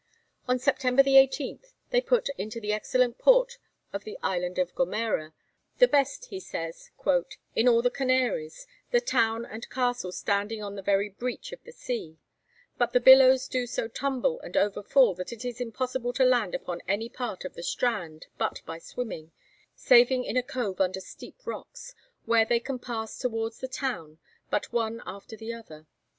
On September 18 they put into the excellent port of the island of Gomera, 'the best,' he says, 'in all the Canaries, the town and castle standing on the very breach of the sea, but the billows do so tumble and overfall that it is impossible to land upon any part of the strand but by swimming, saving in a cove under steep rocks, where they can pass towards the town but one after the other.'